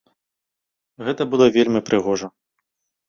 Гэта было вельмі прыгожа.